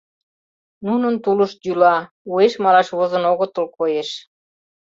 Нунын тулышт йӱла, уэш малаш возын огытыл, коеш.